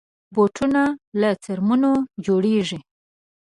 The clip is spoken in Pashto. بوټونه له څرمنو جوړېږي.